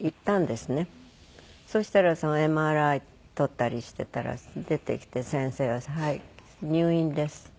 そしたらＭＲＩ撮ったりしていたら出てきて先生が「はい。入院です」。